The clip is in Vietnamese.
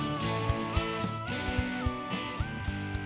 nào kiểu đứa nào